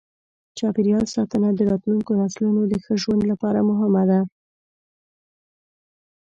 چاپېریال ساتنه د راتلونکو نسلونو د ښه ژوند لپاره مهمه ده.